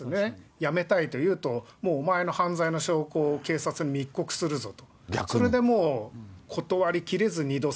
辞めたいというと、もうお前の犯罪の証拠を警察に密告するぞと。